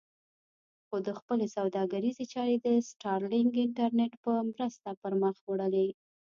خو ده خپلې سوداګریزې چارې د سټارلېنک انټرنېټ په مرسته پر مخ وړلې.